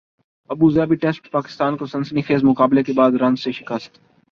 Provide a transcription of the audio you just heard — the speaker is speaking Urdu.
ابو ظہبی ٹیسٹ پاکستان کو سنسنی خیزمقابلے کے بعد رنز سے شکست